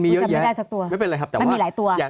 มีเยอะแยะไม่เป็นไรครับมันมีหลายตัว